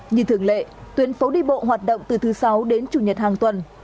như thường lệ tuyến phố đi bộ hoạt động từ thứ sáu đến chủ nhật hàng tuần